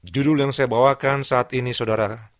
judul yang saya bawakan saat ini saudara